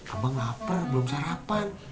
abang lapar belum sarapan